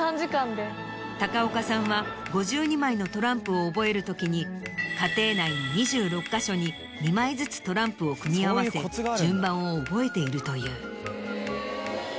高岡さんは５２枚のトランプを覚える時に家庭内の２６か所に２枚ずつトランプを組み合わせ順番を覚えているという。